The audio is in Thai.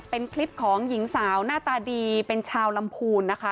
เป็นคลิปของหญิงสาวหน้าตาดีเป็นชาวลำพูนนะคะ